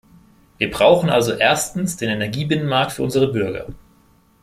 Wir brauchen also erstens den Energiebinnenmarkt für unsere Bürger.